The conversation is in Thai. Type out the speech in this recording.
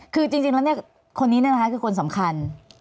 คือจริงแล้วคนนี้นะคะคือคนสำคัญ